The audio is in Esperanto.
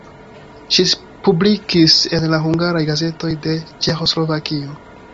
Ŝi publikis en la hungaraj gazetoj de Ĉeĥoslovakio.